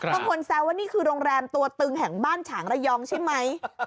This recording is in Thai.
แซวว่านี่คือโรงแรมตัวตึงแห่งบ้านฉางระยองใช่ไหม